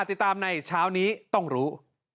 ติดตามในเช้านี้ต้องรู้